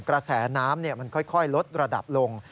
กระแสน้ำมันค่อยลดระดับลง